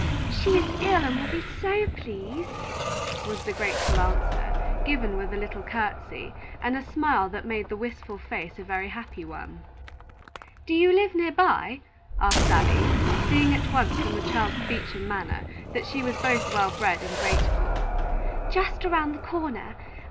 She is ill, and will be so pleased," was the grateful answer, given with a little courtesy, and a smile that made the wistful face a very happy one. "Do you live near by?" asked Abby, seeing at once from the child's speech and manner that she was both well bred and grateful. "Just around the corner.